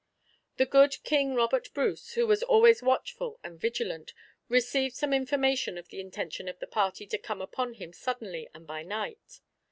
The good King Robert Bruce, who was always watchful and vigilant, received some information of the intention of the party to come upon him suddenly and by night.